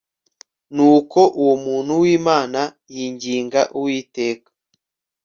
Nuko uwo muntu wImana yinginga Uwiteka